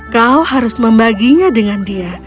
kau harus membaginya dengan dia